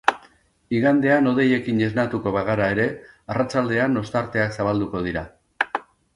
Igandean hodeiekin esnatuko bagara ere, arratsaldean ostarteak zabalduko dira.